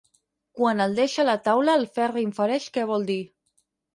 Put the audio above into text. Quan el deixa a la taula el Ferri infereix què vol dir.